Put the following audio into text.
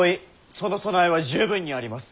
その備えは十分にあります。